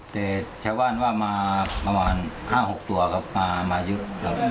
แต่ชาวบ้านว่ามาประมาณ๕๖ตัวครับมาเยอะครับ